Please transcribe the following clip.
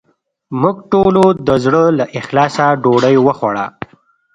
موږ ټولو د زړه له اخلاصه ډوډې وخوړه